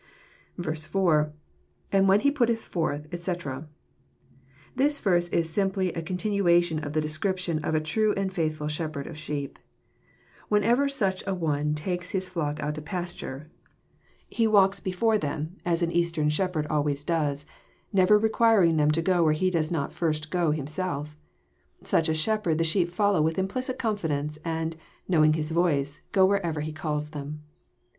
4.— [ 4w(l when he putteth forth, etc.'] This verse is simply a con tinuation of the description of a true and faithful shepherd of sheep. Whenever such an one takes his flock out to pasture, he JOHN, OHAP. X. 183 walks before them, as an EastersL^hepherd always does, never requiring them to go where he does not first go himself. Such a shepherd the sheep follow with implicit confidence, itnd, know ing his voice, go wherever he calls them.